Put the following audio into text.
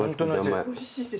おいしいです。